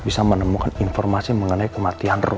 bisa menemukan informasi mengenai kematian